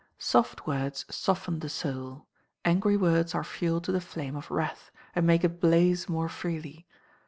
Soft words soften the soul angry words are fuel to the flame of wrath, and make it blaze more freely.